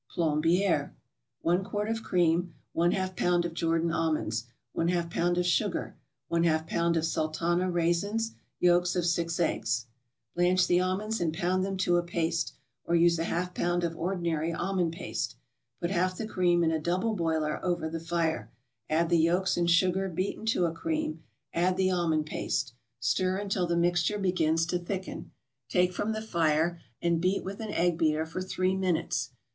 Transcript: PLOMBIERE 1 quart of cream 1/2 pound of Jordan almonds 1/2 pound of sugar 1/2 pound of Sultana raisins Yolks of six eggs Blanch the almonds and pound them to a paste, or use a half pound of ordinary almond paste. Put half the cream in a double boiler over the fire, add the yolks and sugar beaten to a cream, add the almond paste. Stir until the mixture begins to thicken, take from the fire and beat with an egg beater for three minutes.